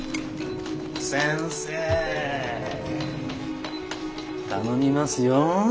先生頼みますよ。